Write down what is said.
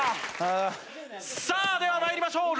さあでは参りましょう。